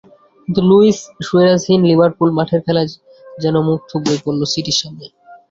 কিন্তু লুইস সুয়ারেজবিহীন লিভারপুল মাঠের খেলায় যেন মুখ থুবড়েই পড়ল সিটির সামনে।